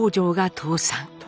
倒産。